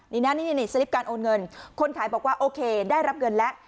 นี่นะนี่สลิปการโอนเงินคนขายบอกว่าโอเคได้รับเงินแล้ว